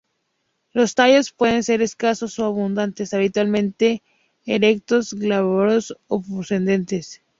Los tallos pueden ser escasos o abundantes, habitualmente erectos, glabros o pubescentes.